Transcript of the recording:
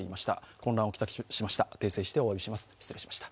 混乱を来しました